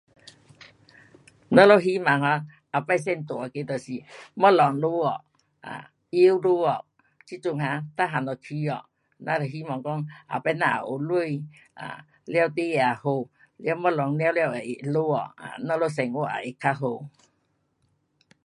咱们希望 um 每次最大那个就是东西下价，um 油下价，这阵啊每样都起价，咱是希望讲以后咱也有钱 um 了你也好。了东西全部会下价，um 咱们生活也会较好。